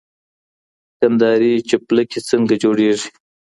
کندهاري چپلکي څنګه جوړېږي؟